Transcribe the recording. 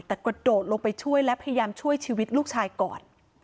แต่กระโดดลงไปช่วยและพยายามช่วยชีวิตลูกชายก่อน